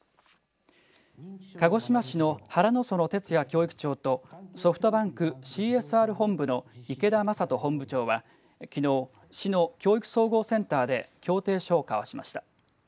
鹿児島市の原之園哲哉教育長とソフトバンクＣＳＲ本部の池田昌人本部長はきのう市の教育総合センターで協定書を交わしました。